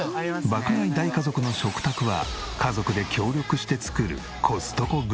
爆買い大家族の食卓は家族で協力して作るコストコグルメ。